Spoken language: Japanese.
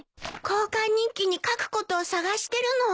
交換日記に書くことを探してるの。